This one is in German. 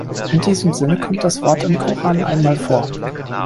In diesem Sinne kommt das Wort im Koran einmal vor.